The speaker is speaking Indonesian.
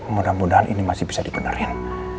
mudah mudahan ini masih bisa dibenarkan